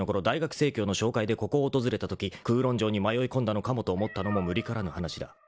大学生協の紹介でここを訪れたとき九龍城に迷い込んだのかもと思ったのも無理からぬ話だ］